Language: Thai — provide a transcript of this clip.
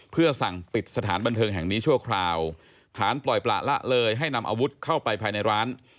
เพื่อสั่งปิดสถานบันเทิงแห่งนี้ชั่วคราวฐานปล่อยประละเลยให้นำอาวุธเข้าไปภายในร้าน